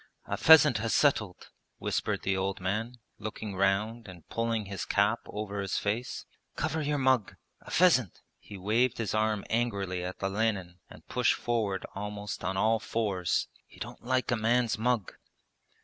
'A pheasant has settled,' whispered the old man, looking round and pulling his cap over his face 'Cover your mug! A pheasant!' he waved his arm angrily at Olenin and pushed forward almost on all fours. 'He don't like a man's mug.'